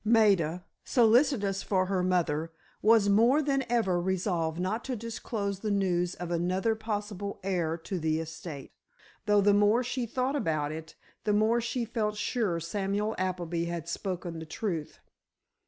Maida, solicitous for her mother, was more than ever resolved not to disclose the news of another possible heir to the estate, though the more she thought about it, the more she felt sure Samuel Appleby had spoken the truth.